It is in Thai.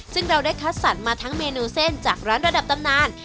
ซึ่งเราได้คัดสรรมาทั้งเมนูเส้นจากร้านระดับตำนาน